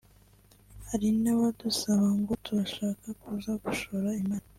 Hari n’abadusaba ngo turashaka kuza gushora imari